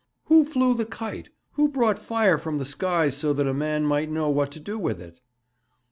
'Who flew the kite? Who brought fire from the skies so that a man might know what to do with it?'